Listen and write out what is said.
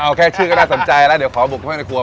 เอาแค่ชื่อก็ได้สนใจแล้วเดี๋ยวขอบุกเข้ามาห้ามเป็นคลัว